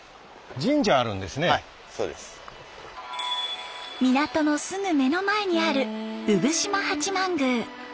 港のすぐ目の前にある産島八幡宮。